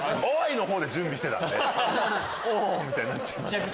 のほうで準備してたんでおぉみたいになっちゃった。